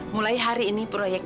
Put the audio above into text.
mulai hari ini proyeknya